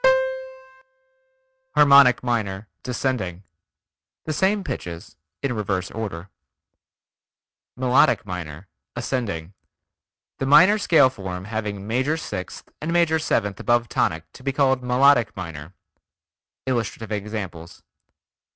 Harmonic Minor (descending) Same pitches in reverse order. Melodic Minor (ascending) The minor scale form having major sixth and major seventh above tonic to be called Melodic Minor. Illustrative examples.